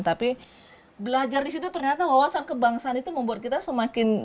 tapi belajar di situ ternyata wawasan kebangsaan itu membuat kita semakin